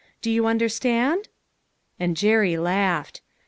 Do you understand ?" And Jerry laughed.